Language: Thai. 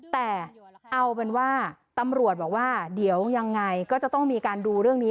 แต่เอาเป็นว่าตำรวจบอกว่าเดี๋ยวยังไงก็จะต้องมีการดูเรื่องนี้